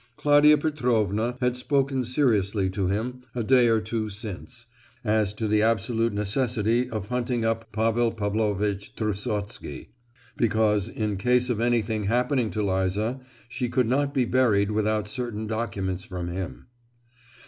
Claudia Petrovna had spoken seriously to him a day or two since, as to the absolute necessity of hunting up Pavel Pavlovitch Trusotsky, because in case of anything happening to Liza, she could not be buried without certain documents from him.